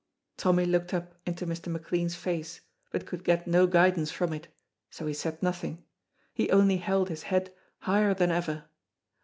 Tommy looked up into Mr. McLean's face, but could get no guidance from it, so he said nothing; he only held his head higher than ever.